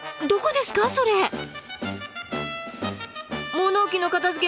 物置の片づけ